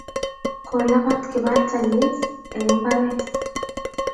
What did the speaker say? Ko lapat kibartannyit eng mbaret